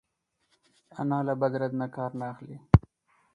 انا له بد رد نه کار نه اخلي